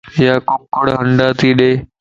ايا ڪڪڙ ھنڊا تي ڏي